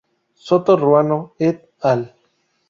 Soto Ruano "et al.